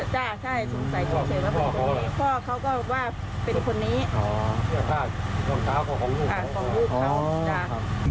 จ้ะใช่สงสัยเฉยเฉยว่าเป็นคนนี้พ่อเขาก็ว่าเป็นคนนี้อ๋อ